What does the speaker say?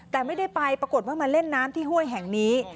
แต่ไม่ได้ไปปรากฏว่ามาเล่นน้ำที่ห้วยแห่งนี้